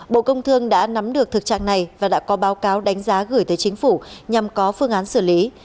bộ công thương đã nắm được thực trạng này và đã có báo cáo đánh giá gửi tới chính phủ nhằm có phương án xử lý